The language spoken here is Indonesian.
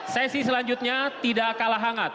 sesi selanjutnya tidak kalah hangat